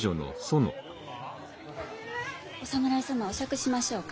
お侍様お酌しましょうか。